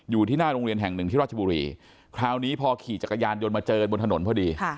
อยู่ที่หน้าโรงเรียนแห่งหนึ่งที่ราชบุรีคราวนี้พอขี่จักรยานยนต์มาเจอบนถนนพอดี